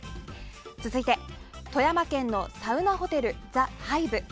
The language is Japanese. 続いては富山県のサウナホテルＴｈｅＨｉｖｅ。